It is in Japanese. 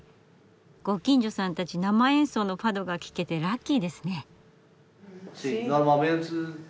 ご近所さんたち生演奏のファドが聞けてラッキーですね。